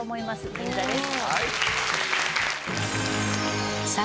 銀座です。